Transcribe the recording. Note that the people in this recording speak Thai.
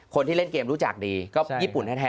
คนที่เล่นเกมรู้จักดีก็ญี่ปุ่นแท้